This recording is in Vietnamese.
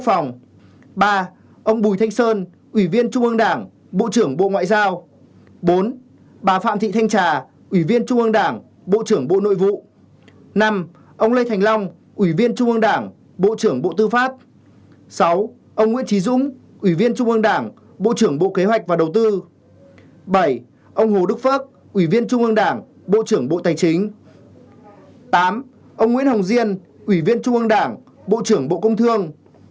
tám ông nguyễn hồng diên ủy viên trung ương đảng bộ trưởng bộ công thương